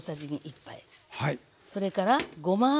それからごま油。